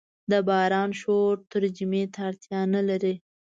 د باران شور ترجمې ته اړتیا نه لري.